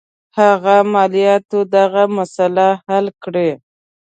هغه مالیاتو دغه مسله حل کړي.